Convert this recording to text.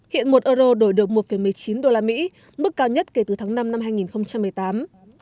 hiện một euro đổi được một một mươi chín usd mức cao nhất kể từ tháng năm năm hai nghìn một mươi tám